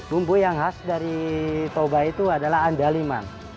bumbu yang khas dari toba itu adalah andaliman